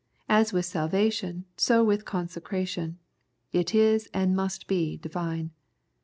As with salvation, so with consecration — it is and must be Divine.